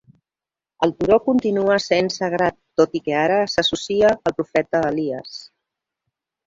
El turó continua sent sagrat, tot i que ara s'associa al profeta Elias.